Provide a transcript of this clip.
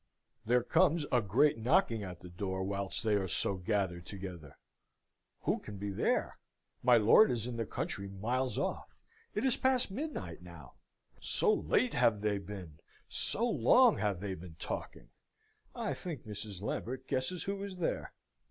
There comes a great knocking at the door whilst they are so gathered together. Who can be there? My lord is in the country miles off. It is past midnight now; so late have they been, so long have they been talking! I think Mrs. Lambert guesses who is there.